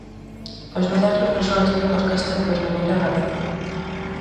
Os Modernos non son a típica orquestra verbeneira galega...